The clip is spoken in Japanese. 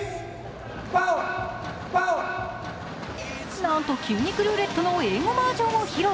なんと筋肉ルーレットの英語バージョンを披露。